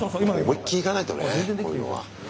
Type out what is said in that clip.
思いっきりいかないとねこういうのは。